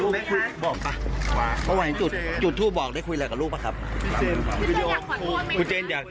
เมื่อวานที่ไปจุดอย่าเริ่มทำขี้จไหม